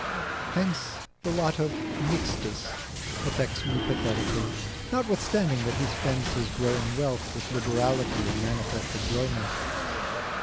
Hence the lot of Mixtus affects me pathetically, notwithstanding that he spends his growing wealth with liberality and manifest enjoyment.